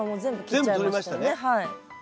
全部取りましたね。